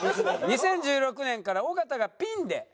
２０１６年から尾形がピンで。